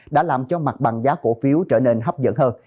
đã làm cho mặt bằng giá cổ phiếu trở nên hấp dẫn hơn